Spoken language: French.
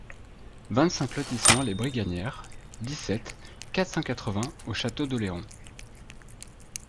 vingt-cinq lotissement Les Brigannieres, dix-sept, quatre cent quatre-vingts au Château-d'Oléron